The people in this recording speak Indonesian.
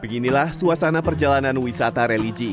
beginilah suasana perjalanan wisata religi